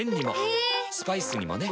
ヘェー⁉スパイスにもね。